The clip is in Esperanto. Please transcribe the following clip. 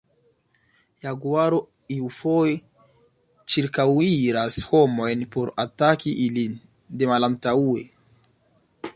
Jaguaro iufoje ĉirkaŭiras homojn por ataki ilin de malantaŭe.